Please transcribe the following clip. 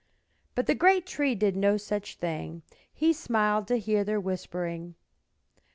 But the great Tree did no such thing; He smiled to hear their whispering.